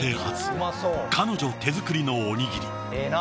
初彼女手作りのおにぎり。